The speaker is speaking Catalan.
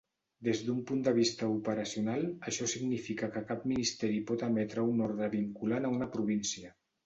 Des d'un punt de vista operacional, això significa que cap ministeri pot emetre una ordre vinculant a una província.